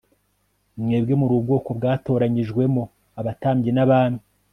mwebwe muri ubwoko bwatoranyijwemo abatambyi n'abami